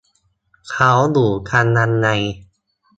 เขาอยู่กันยังไง ?